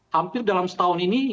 hampir dalam setahun ini